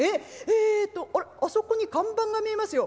えとあれあそこに看板が見えますよ。